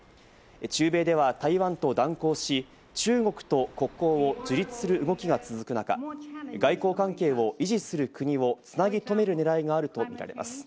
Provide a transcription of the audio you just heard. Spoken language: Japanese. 中米では台湾と断交し、中国と国交を樹立する動きが続く中、外交関係を維持する国をつなぎとめるねらいがあるとみられます。